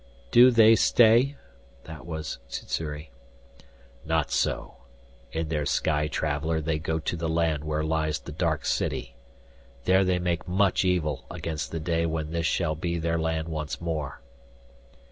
"Do they stay?" That was Sssuri. "Not so. In their sky traveler they go to the land where lies the dark city. There they make much evil against the day when this shall be their land once more."